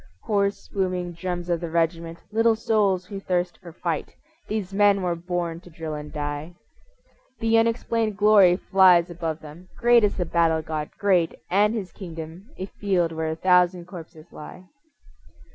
Hoarse, booming drums of the regiment, Little souls who thirst for fight, These men were born to drill and die. The unexplained glory flies above them, Great is the battle god, great, and his kingdom A field where a thousand corpses lie.